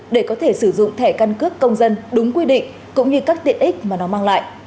để có thể sử dụng thẻ căn cước công dân đúng quy định cũng như các tiện ích mà nó mang lại